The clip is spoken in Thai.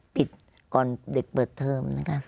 ปิดก่อนเด็กปิดเทิมนะครับ